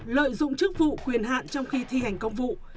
lợi dụng chức vụ quyền hạn trong khi thi hành công vụ